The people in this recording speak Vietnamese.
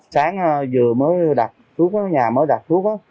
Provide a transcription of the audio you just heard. sáng vừa mới đặt thuốc nhà mới đặt thuốc